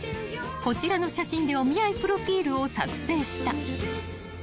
［こちらの写真でお見合いプロフィルを作成した］